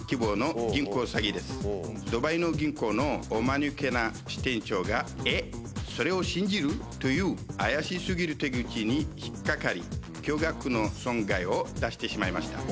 ドバイの銀行のおマヌケな支店長が「えっ！それを信じる？」という怪し過ぎる手口に引っ掛かり巨額の損害を出してしまいました。